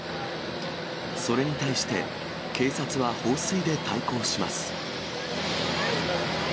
それに対して、警察は放水で対抗します。